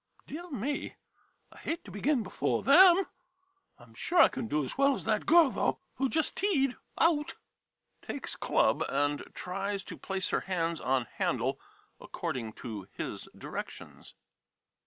Dear me ! I hate to begin before them. I 'm sure 102 THE FIRST LESSON I can do as well as that girl, though, who just teed — out! [Takes club and tries to place her hands on handle according to his directions.